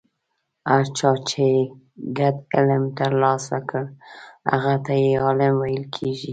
هر چا چې ګډ علم ترلاسه کړ هغه ته یې عالم ویل.